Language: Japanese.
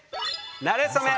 なれそめ！